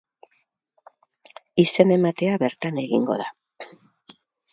Izen-ematea bertan egingo da.